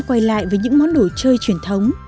quay lại với những món đồ chơi truyền thống